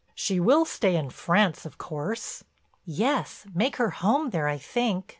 She will stay in France of course?" "Yes, make her home there, I think.